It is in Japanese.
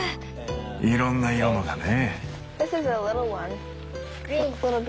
いろんな色のがね。